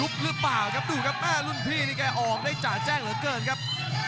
หรือเปล่าครับดูครับแม่รุ่นพี่นี่แกออกได้จ่าแจ้งเหลือเกินครับ